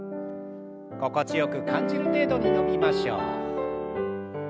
心地よく感じる程度に伸びましょう。